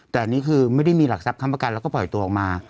แต่อันนี้คือไม่ได้มีหลักทรัพยคำประกันแล้วก็ปล่อยตัวออกมา